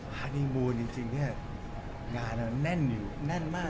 ฮานีมูลจริงเนี่ยงานแน่นอยู่แน่นมาก